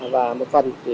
và một phần thì